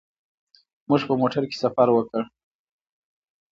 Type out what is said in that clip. موږ په موټر کې سفر وکړ.